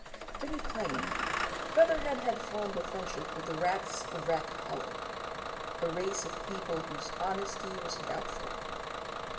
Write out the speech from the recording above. To be plain, Featherhead had formed a friendship with the Rats of Rat Hollow a race of people whose honesty was doubtful.